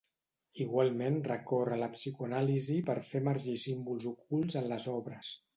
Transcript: Igualment recorre a la psicoanàlisi per fer emergir símbols ocults en les obres.